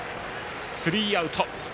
スリーアウト。